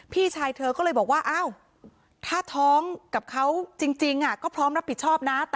พี่ชายเธอก็เลยบอกว่าอ้าวถ้าท้องกับเขาจริงก็พร้อมรับผิดชอบนะ